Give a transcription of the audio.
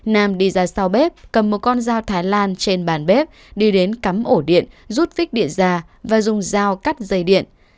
nam đi ra sao bếp cầm một con dao thái lan trên bàn bếp đi đến cắm ổ điện rút vích điện già và dùng dao cắt dây điện